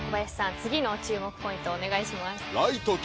次の注目ポイントお願いします。